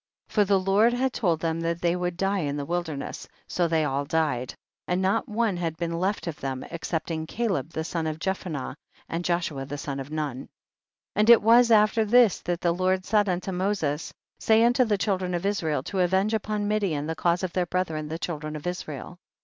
5. For the Lord had told them that they would die in the wilderness, so they all died, and not one had been left of them excepting Caleb the son of Jephuneh, and Joshua the son of Nun. 256 THE BOOK OF JASHER. 6. And it was after this that the Lord said to Moses, say unto the children of Israel to avenge upon Midian the cause of their brethren the children of Israel.